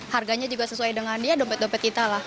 harganya juga sesuai dengan dia dompet dompet kita lah